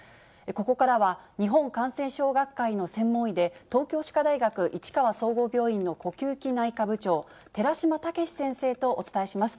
ここからは、日本感染症学会の専門医で、東京歯科大学市川総合病院の呼吸器内科部長、寺嶋毅先生とお伝えします。